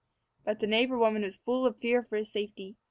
But the neighbor woman was full of fear for his safety.